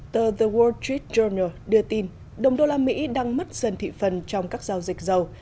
tờ the wall street journal đưa tin đồng đô la mỹ đang mất dần thị phần trong các giao dịch dầu